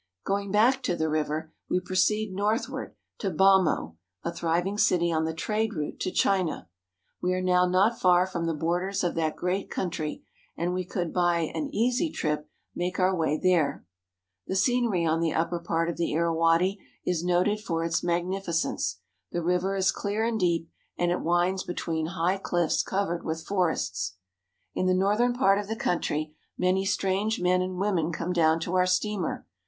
Going back to the river, we proceed north ward to Bhamo (ba mo'), a thriving city on the trade route to China. We are now not far from the borders of that great country, and we could by an easy trip make our way there. The scenery on the up per part of the Irawadi is noted for its magnifi cence. The river is clear and deep, and it winds between high cliffs covered with forests. In the northern part of the country, many strange men and women come down to our steamer.